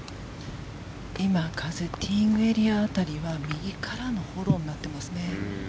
今、風はティーイングエリア辺りは右からのフォローになってますね。